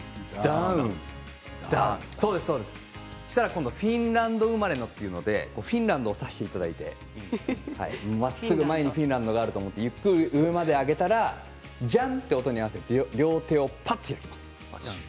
そしたら「フィンランド生まれの」というところでフィンランドを指していただいてまっすぐ前にフィンランドがあると思ってゆっくり上まで上げたらじゃん！という音に合わせて両手をぱっと開きます。